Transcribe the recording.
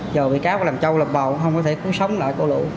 giờ bị cáo làm trâu lập bầu không có thể cứu sống lại cô lựu